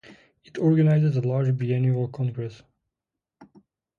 It organizes a large biennial Congress.